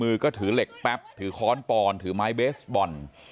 มือก็ถือเหล็กแป๊บถือค้อนปอนถือไม้เบสบอล